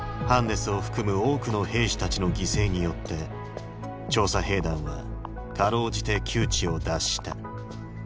ハンネスを含む多くの兵士たちの犠牲によって調査兵団はかろうじて窮地を脱した。